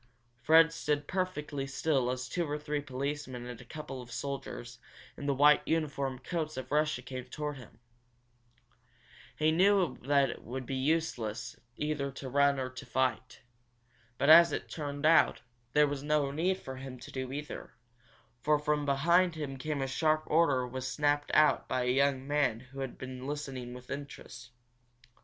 Fred stood perfectly still as two or three policemen and a couple of soldiers in the white uniform coats of Russia came toward him. He knew that it would be useless either to run or to fight. But, as it turned out, there was no need for him to do either, for from behind him a sharp order was snapped out by a young man who had been listening with interest.